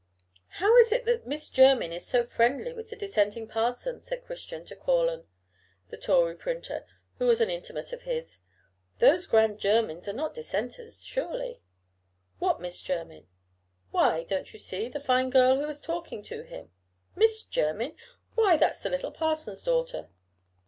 "How is it that Miss Jermyn is so friendly with the Dissenting parson?" said Christian to Quorlen, the Tory printer, who was an intimate of his. "Those grand Jermyns are not Dissenters surely?" "What Miss Jermyn?" "Why don't you see? that fine girl who is talking to him." "Miss Jermyn! Why, that's the little parson's daughter."